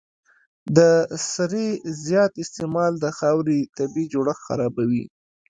د سرې زیات استعمال د خاورې طبیعي جوړښت خرابوي.